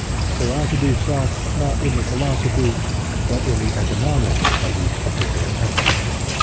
They are to be sought, not in the philosophy, but in the economics of each particular epoch.